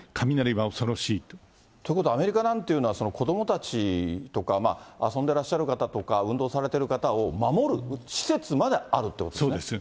ということは、アメリカなんというのは子どもたちとか、遊んでらっしゃる方とか、運動されている方を守る施設まであるということですね。